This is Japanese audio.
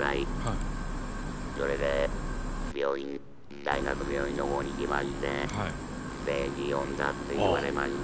それで大学病院の方に行きましてステージ４だって言われまして」。